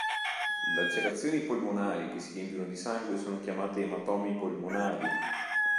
Lacerazioni polmonari che si riempiono di sangue sono chiamate ematomi polmonari.